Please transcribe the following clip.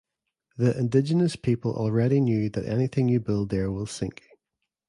The indigenous people already knew that anything you build there will sink!